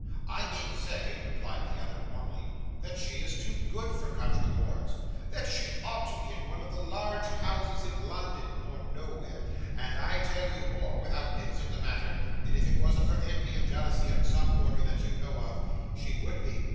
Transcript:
'I mean to say,' replied the other, warmly, 'that she is too good for country boards, and that she ought to be in one of the large houses in London, or nowhere; and I tell you more, without mincing the matter, that if it wasn't for envy and jealousy in some quarter that you know of, she would be.